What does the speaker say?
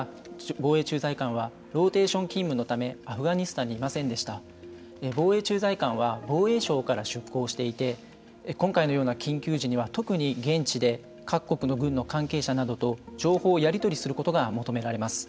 防衛駐在官は防衛省から出向していて今回のような緊急時には特に現地で各国の軍の関係者などと情報をやり取りすることが求められます。